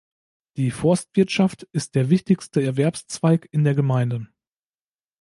Die Forstwirtschaft ist der wichtigste Erwerbszweig in der Gemeinde.